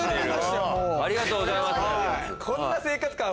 ありがとうございます。